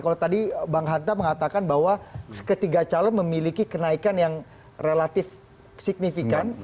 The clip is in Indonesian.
kalau tadi bang hanta mengatakan bahwa ketiga calon memiliki kenaikan yang relatif signifikan